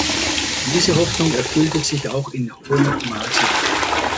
Diese Hoffnung erfüllte sich auch in hohem Maße.